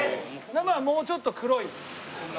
生はもうちょっと黒い。